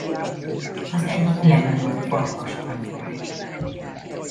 Az egyik legnagyobb farkas alfaj.